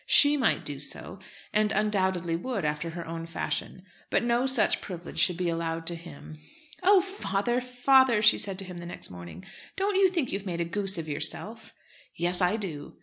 She might do so, and undoubtedly would after her own fashion, but no such privilege should be allowed to him. "Oh! father, father," she said to him the next morning, "don't you think you've made a goose of yourself?" "Yes, I do."